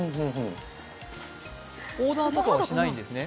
オーダーとかはしないんですね。